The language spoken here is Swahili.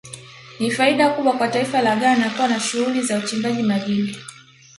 Ni faida kubwa kwa taifa la Ghana kuwa na shughuli za uchimbaji madini